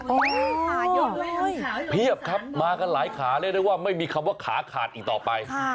ขาเยอะด้วยเพียบครับมากันหลายขาเรียกได้ว่าไม่มีคำว่าขาขาดอีกต่อไป